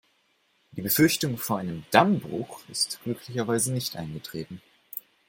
Die Befürchtung vor einem Dammbruch ist glücklicherweise nicht eingetreten.